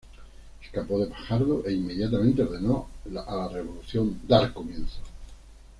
Escapó de Fajardo, e inmediatamente ordenó a la revolución dar comienzo.